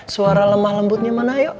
suara lemah lembutnya mana yuk